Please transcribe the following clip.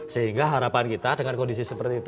sehingga harapan kita dengan kondisi seperti itu